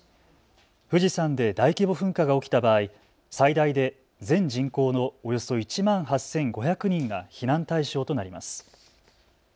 富士山で大規模噴火が起きた場合、最大で全人口のおよそ１万８５００人が避難対象となります。